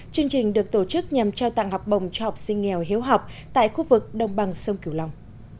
chương trình được tổ chức nhằm trao tặng học bổng cho học sinh nghèo hiếu học tại khu vực đồng bằng sông kiều long